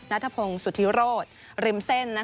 นัทพงศ์สุธิโรธริมเส้น